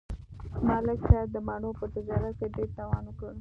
ملک صاحب د مڼو په تجارت کې ډېر تاوان وکړ.